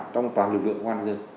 trong toàn lực lượng công an dân